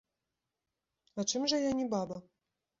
А чым жа я не баба?